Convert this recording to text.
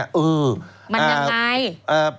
มันยังไง